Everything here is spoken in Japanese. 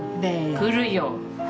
来るよ。